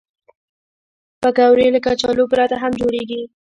پکورې له کچالو پرته هم جوړېږي